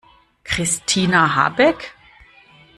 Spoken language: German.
Christina Habeck?